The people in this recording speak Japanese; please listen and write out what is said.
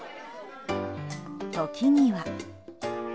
時には。